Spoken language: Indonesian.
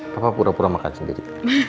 bapak pura pura makan sendiri